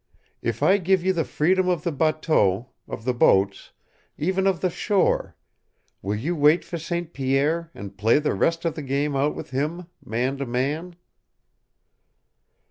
If I give you the freedom of the bateau, of the boats, even of the shore, will you wait for St. Pierre and play the rest of the game out with him, man to man?"